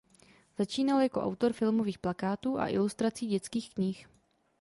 Začínal jako autor filmových plakátů a ilustrací dětských knih.